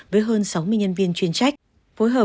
với hơn sáu mươi nhân viên chuyên trách